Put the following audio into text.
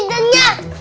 itu aja yang diambil